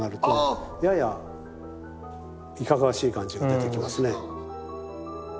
あぁ！ややいかがわしい感じが出てきますね。